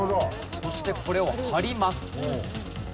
そしてこれを貼ります。